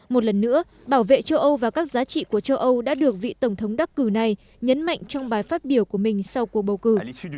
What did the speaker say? một lần nữa bảo vệ châu âu và các giá trị của châu âu đã được vị tổng thống đắc cử này nhấn mạnh trong bài phát biểu của mình sau cuộc bầu cử